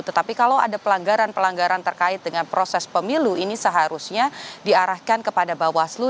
tetapi kalau ada pelanggaran pelanggaran terkait dengan proses pemilu ini seharusnya diarahkan kepada bawaslu